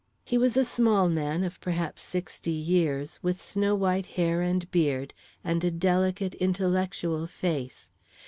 He was a small man of perhaps sixty years, with snow white hair and beard and a delicate, intellectual face.